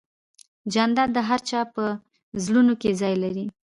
جانداد د هر چا په زړونو کې ځای لري.